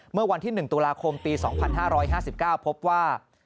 เมื่อวันที่๑ตุลาคมปี๒๕๕๙พบว่า